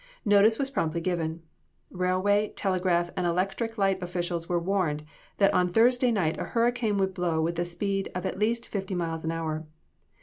Notice was promptly given. Railway, telegraph and electric light officials were warned that on Thursday night a hurricane would blow with a speed of at least fifty miles an hour.